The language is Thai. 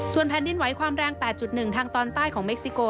แผ่นดินไหวความแรง๘๑ทางตอนใต้ของเม็กซิโก